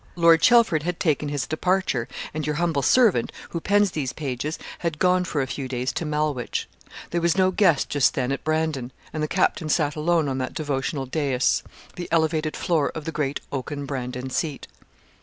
Lord Chelford had taken his departure, and your humble servant, who pens these pages, had gone for a few days to Malwich. There was no guest just then at Brandon, and the captain sat alone on that devotional dais, the elevated floor of the great oaken Brandon seat.